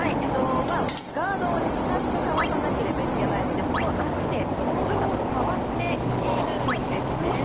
ガードを２つかわさなければいけないので、ここ、足でうまくかわしているんですね。